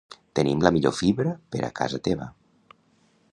Tenim la millor fibra per a casa teva